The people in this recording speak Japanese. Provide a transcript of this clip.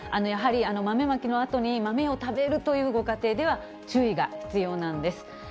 やはり豆まきのあとに豆を食べるというご家庭では、注意が必要なんですね。